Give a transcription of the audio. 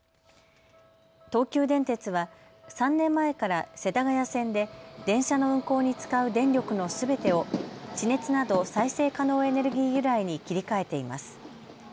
東急電鉄は３年前から世田谷線で電車の運行に使う電力のすべてを地熱など再生可能エネルギー由来に切り替えています。